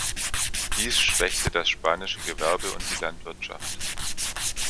Dies schwächte das spanische Gewerbe und die Landwirtschaft.